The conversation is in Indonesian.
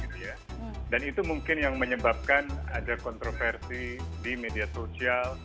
dan itu mungkin yang menyebabkan ada kontroversi di media sosial